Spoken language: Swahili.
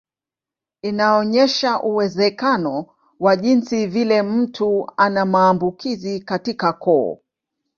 Inaonyesha uwezekano wa jinsi vile mtu ana maambukizi katika koo.